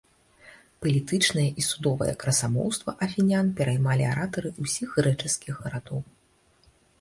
Палітычнае і судовае красамоўства афінян пераймалі аратары ўсіх грэчаскіх гарадоў.